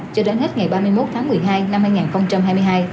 cho đến hết ngày ba mươi một tháng một mươi hai năm hai nghìn hai mươi hai